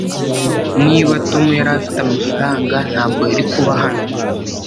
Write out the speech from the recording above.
niba tom yari afite amafaranga, ntabwo yari kuba hano